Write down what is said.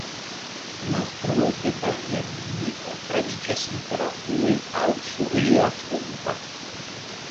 Naztruoj de bagjenniko troviĝas inter okuloj aŭ sur lia frunto.